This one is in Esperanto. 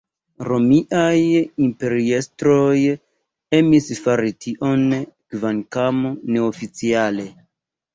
Romiaj imperiestroj emis fari tion, kvankam neoficiale.